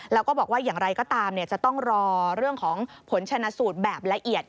แล้วก็บอกว่าอย่างไรก็ตามจะต้องรอเรื่องของผลชนะสูตรแบบละเอียด